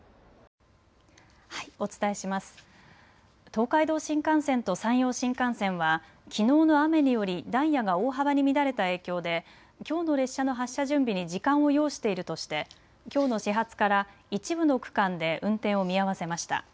東海道新幹線と山陽新幹線はきのうの雨によりダイヤが大幅に乱れた影響できょうの列車の発車準備に時間を要しているとしてきょうの始発から一部の区間で運転を見合わせました。